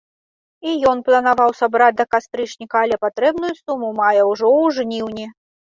Іх ён планаваў сабраць да кастрычніка, але патрэбную суму мае ўжо ў жніўні.